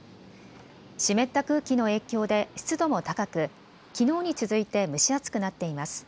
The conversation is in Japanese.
湿った空気の影響で湿度も高くきのうに続いて蒸し暑くなっています。